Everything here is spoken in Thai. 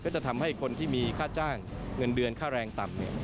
จะทำให้คนที่มีค่าจ้างเงินเดือนค่าแรงต่ำ